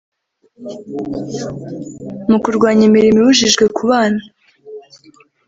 mu kurwanya imirimo ibujijwe ku bana